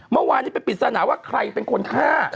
เมื่อวานนี้เป็นปริศนาว่าใครเป็นคนฆ่า